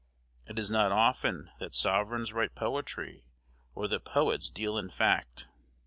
It is not often that sovereigns write poetry or that poets deal in fact.